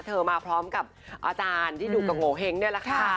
มาพร้อมกับอาจารย์ที่ดูกับโงเห้งนี่แหละค่ะ